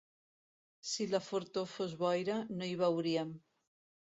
Si la fortor fos boira... no hi veuríem!